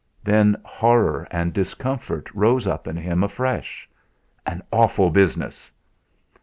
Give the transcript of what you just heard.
Then horror and discomfort rose up in him, afresh. "An awful business!"